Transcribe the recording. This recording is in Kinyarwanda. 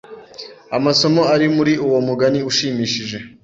amasomo ari muri uwo mugani ushimishije